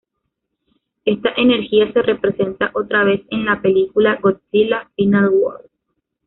Esta energía se representa otra vez en la película "Godzilla: Final Wars".